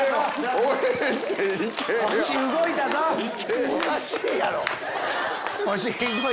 おかしいやろ！